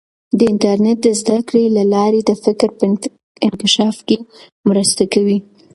د انټرنیټ د زده کړې له لارې د فکر په انکشاف کې مرسته کوي.